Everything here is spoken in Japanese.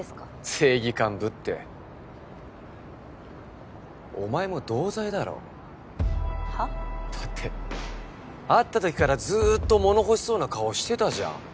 正義感ぶってお前も同罪だろ？は？だって会った時からずっともの欲しそうな顔してたじゃん。